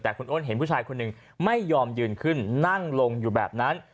แต่คุณอ้นเห็นผู้ชายคนหนึ่งไม่ยอมยืนขึ้นนั่งลงอยู่แบบนั้น